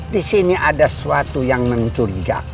disini ada sesuatu yang mencurigakan